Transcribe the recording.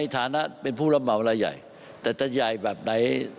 แต่ผมพูดไม่ได้